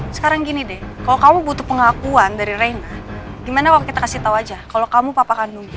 sekarang gini deh kalau kamu butuh pengakuan dari reina gimana waktu kita kasih tau aja kalau kamu papa kandungnya